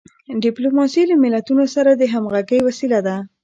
ډیپلوماسي له ملتونو سره د همږغی وسیله ده.